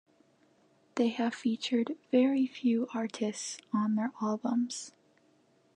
They have featured very few artists on their albums.